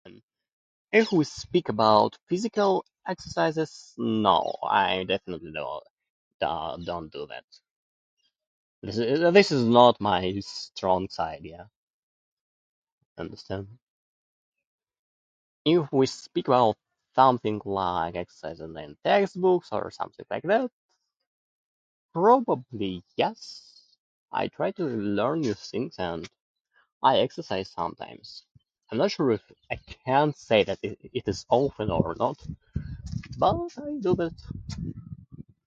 If we speak about physical exercises, no I definitely don't, uh, don't do that. This, this is not my strong side, yeah, understand? If we speak about something like exercising in text books or something like that, probably yes. I try to learn new things, and I exercise sometimes. I'm not sure if I can say that it it is often or not, but I do it.